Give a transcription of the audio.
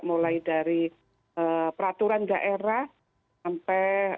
mulai dari peraturan daerah sampai